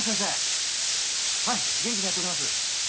はい元気にやっております。